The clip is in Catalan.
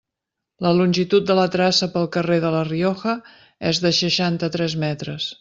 La longitud de la traça pel carrer de La Rioja és de seixanta-tres metres.